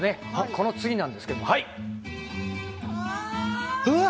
この次なんですけど。